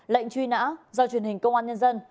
lệnh truy nã do truyền hình công an nhân dân